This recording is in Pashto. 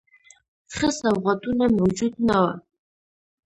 ښه سوغاتونه موجود نه وه.